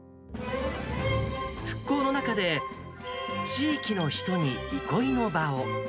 復興の中で、地域の人に憩いの場を。